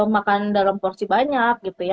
makan dalam porsi banyak gitu ya